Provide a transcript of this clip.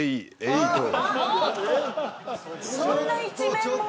そんな一面も？